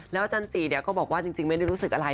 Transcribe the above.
แล้วจันทรีย์ก็บอกว่าจริงไม่ได้รู้สึกอะไร